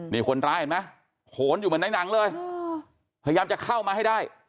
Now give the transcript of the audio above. นี่คนร้ายเห็นไหมโหนอยู่เหมือนในหนังเลยพยายามจะเข้ามาให้ได้